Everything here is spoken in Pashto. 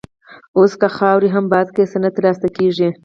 اوس که خاورې هم باد کړې، څه نه تر لاسه کېږي.